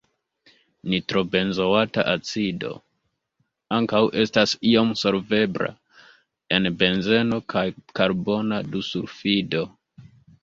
Nitrobenzoata acido ankaŭ estas iom solvebla en benzeno kaj karbona dusulfido.